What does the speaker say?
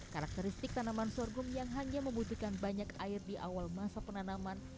karakteristik tanaman sorghum yang hanya membutuhkan banyak air di awal masa penanaman